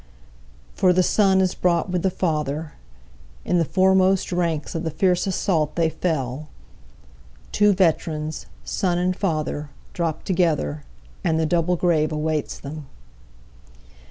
5For the son is brought with the father; In the foremost ranks of the fierce assault they fell; Two veterans, son and father, dropt together, And the double grave awaits them.